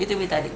itu yang tadi